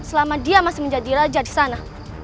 selama dia masih menjadi raja di sana